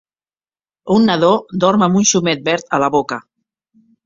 Un nadó dorm amb un xumet verd a la boca.